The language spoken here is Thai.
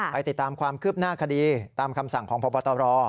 ไปติดตามความคืบหน้าคดีตามคำสั่งของพบตร